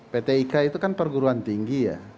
pt ika itu kan perguruan tinggi ya